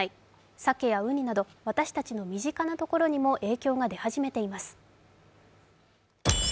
鮭やうになど私たちの身近なところにも影響が出始めています。